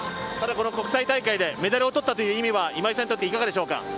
この国際大会でメダルを取ったという意味は今井さんにとっては、いかがでしょうか。